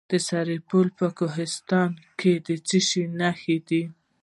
د سرپل په کوهستانات کې د څه شي نښې دي؟